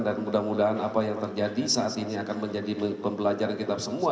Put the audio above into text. dan mudah mudahan apa yang terjadi saat ini akan menjadi pembelajaran kita semua